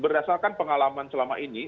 berdasarkan pengalaman selama ini